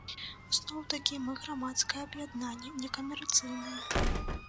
Зноў-такі, мы грамадскае аб'яднанне, некамерцыйнае.